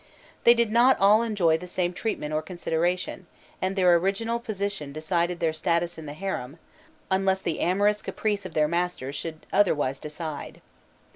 They did not all enjoy the same treatment or consideration, and their original position decided their status in the harem, unless the amorous caprice of their master should otherwise decide.